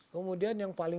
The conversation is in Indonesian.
kemudian yang paling